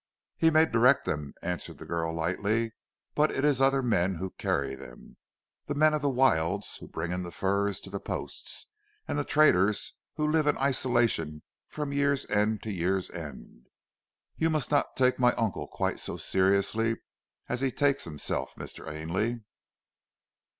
"He may direct them," answered the girl lightly, "but it is other men who carry them the men of the wilds who bring the furs to the posts, and the traders who live in isolation from year's end to year's end. You must not take my uncle quite so seriously as he takes himself, Mr. Ainley."